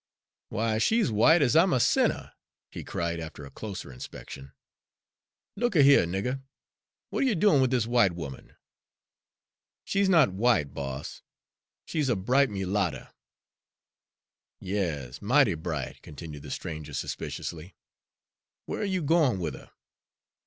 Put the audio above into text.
"Why, she's white, as I'm a sinner!" he cried, after a closer inspection. "Look a here, nigger, what are you doin' with this white woman?" "She's not w'ite, boss, she's a bright mulatter." "Yas, mighty bright," continued the stranger suspiciously. "Where are you goin' with her?"